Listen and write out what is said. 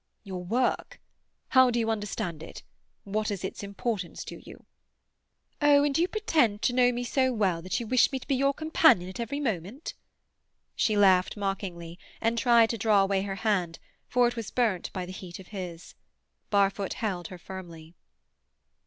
"Your work? How do you understand it? What is its importance to you?" "Oh, and you pretend to know me so well that you wish me to be your companion at every moment!" She laughed mockingly, and tried to draw away her hand, for it was burnt by the heat of his. Barfoot held her firmly.